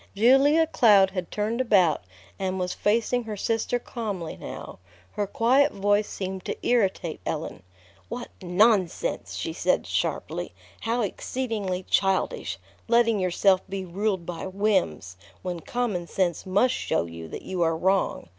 Julia Cloud had turned about, and was facing her sister calmly now. Her quiet voice seemed to irritate Ellen. "What nonsense!" she said sharply. "How exceedingly childish, letting yourself be ruled by whims, when common sense must show you that you are wrong.